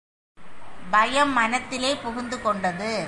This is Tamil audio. பயம் மனத்திலே புகுந்துகொண்டது!